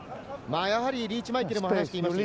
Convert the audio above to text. リーチ・マイケルも話していました。